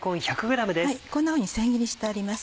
こんなふうにせん切りにしてあります。